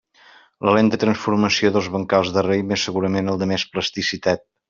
La lenta transformació dels bancals de raïm és segurament el de més plasticitat.